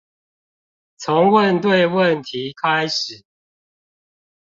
從問對問題開始